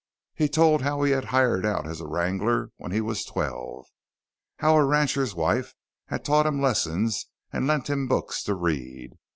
He told how he had hired out as a wrangler when he was twelve, how a rancher's wife had taught him lessons and lent him books to read.